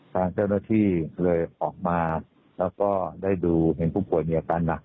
ทางเจ้าหน้าที่เลยออกมาแล้วก็ได้ดูเห็นผู้ป่วยมีอาการหนัก